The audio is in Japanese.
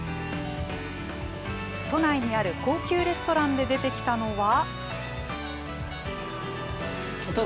都内にある高級レストランで出てきたのは。